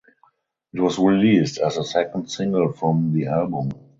It was released as the second single from the album.